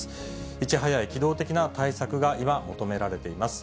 いち早く、機動的な対策が今、求められています。